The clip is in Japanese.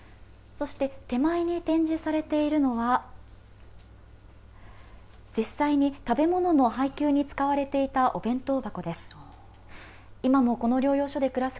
そして、手前に展示されているのは、実際に食べ物の配給に使われていたお弁当箱です。